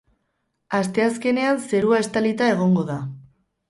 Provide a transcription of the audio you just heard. Asteazkenean, zerua estalita egongo da.